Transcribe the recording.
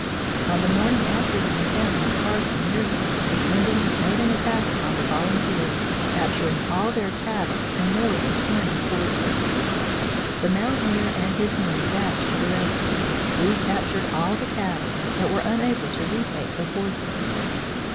On the morning after the encampment of Carson near them, the Indians made an attack upon the volunteers, capturing all their cattle and more than twenty horses. The mountaineer and his men dashed to the rescue, recaptured all the cattle, but were unable to retake the horses.